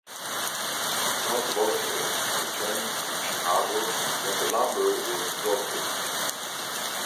John Loxley returned to Chicago when the lumber was exhausted.